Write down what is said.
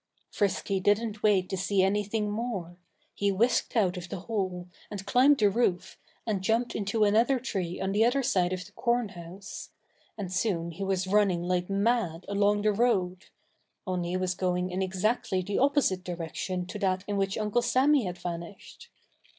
Frisky didn't wait to see anything more. He whisked out of the hole, and climbed the roof, and jumped into another tree on the other side of the corn house. And soon he too was running like mad along the road only he was going in exactly the opposite direction to that in which Uncle Sammy had vanished.